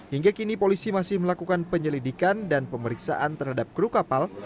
hingga kini polisi masih melakukan penyelidikan dan pemeriksaan terhadap kru kapal